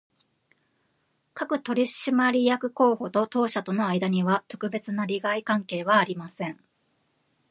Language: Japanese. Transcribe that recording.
各取締役候補と当社との間には、特別な利害関係はありません